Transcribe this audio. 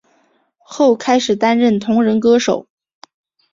后开始担任同人歌手。